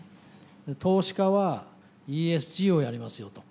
投資家はＥＳＧをやりますよと。